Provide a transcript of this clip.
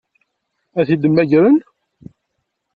Ad t-id-mmagren?